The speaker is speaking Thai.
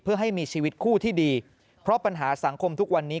เพื่อให้มีชีวิตคู่ที่ดีเพราะปัญหาสังคมทุกวันนี้